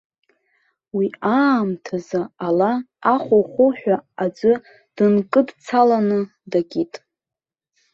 Уи аамҭазы ала аху-хуҳәа аӡәы дынкыдцаланы дакит.